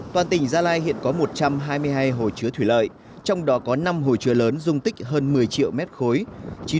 toàn tỉnh gia lai hiện có một trăm hai mươi hai hồ chứa thủy lợi trong đó có năm hồ chứa lớn dung tích hơn một mươi triệu mét khối